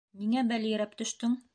Ниңә бәлйерәп төштөң?